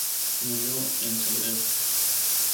Murió en Zagreb.